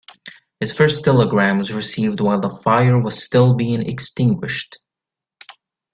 His first telegram was received while the fire was still being extinguished.